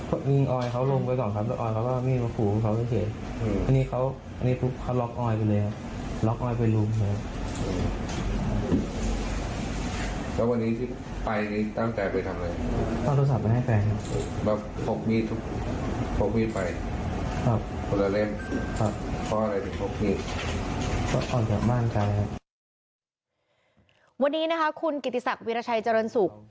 วันนี้นะคะคุณกิติศักดิราชัยเจริญสุข